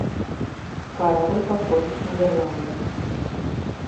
Корабль подходит к Нидерландам.